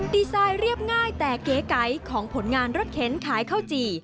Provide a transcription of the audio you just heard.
ดีไซน์เรียบง่ายแต่เก๋ไก๋ของผลงานรถเข็นขายข้าวจี่